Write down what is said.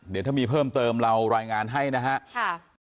เดี๋ยวถ้ามีเพิ่มเติมเรารายงานให้นะครับ